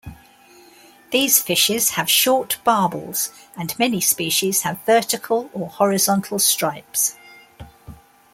These fishes have short barbels and many species having vertical or horizontal stripes.